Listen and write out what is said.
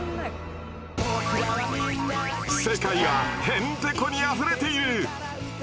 世界はへんてこにあふれている！